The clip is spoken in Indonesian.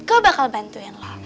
gue bakal bantuin lo